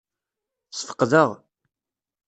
Sfeqdeɣ.